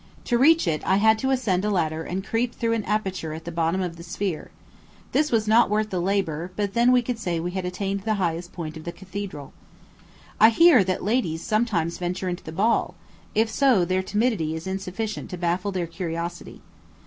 To reach it, I had to ascend a ladder and creep through an aperture at the bottom of the sphere. This was not worth the labor, but then we could say we had attained the highest point of the cathedral. I hear that ladies sometimes venture into the ball; if so, their timidity is insufficient to baffle their curiosity.